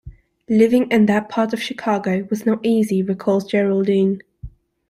Living in that part of Chicago was not easy; recalls Geraldine.